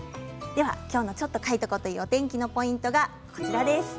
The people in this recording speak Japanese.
今日の「ちょっと書いとこ！」のお天気のポイントです。